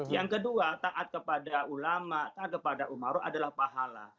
yang kedua taat kepada ulama taat kepada umaruf adalah pahala